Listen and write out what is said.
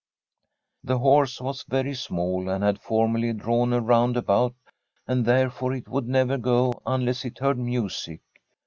The horse was very small, and had formerly drawn a roundabout, and therefore it would never go unless it heard music.